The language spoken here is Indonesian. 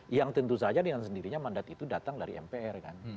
yang tentu saja dengan sendirinya mandat itu datang dari mpr kan